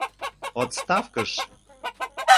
Отставкыш!